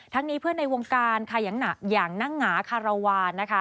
ทั้งนี้เพื่อนในวงการอย่างนางหาคารวาล